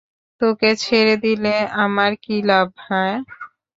তোকে ছেড়ে দিলে আমার কী লাভ, হাহ?